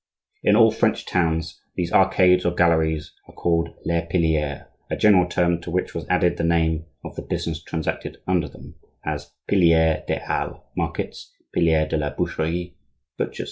In all French towns these arcades or galleries are called les piliers, a general term to which was added the name of the business transacted under them,—as "piliers des Halles" (markets), "piliers de la Boucherie" (butchers).